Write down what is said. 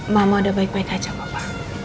mama udah baik baik aja papa